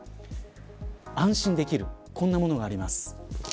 安心できるこんなものがあります。